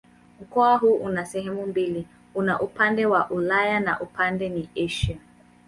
Mkoa huu una sehemu mbili: una upande wa Ulaya na upande ni Asia.